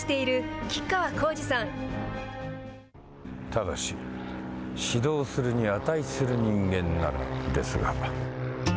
ただし、指導するに値する人間ならばですが。